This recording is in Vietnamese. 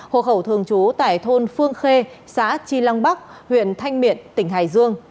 hộ khẩu thường chú tại thôn phương khê xã chi lăng bắc huyện thanh miện tỉnh hải dương